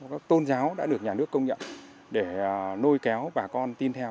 các tôn giáo đã được nhà nước công nhận để nôi kéo bà con tin theo